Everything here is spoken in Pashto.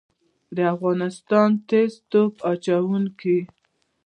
د افغانستان تیز توپ اچوونکي